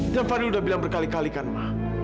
dan fadil udah bilang berkali kalikan ma